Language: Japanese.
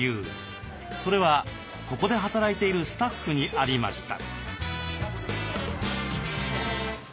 それはここで働いているスタッフにありました。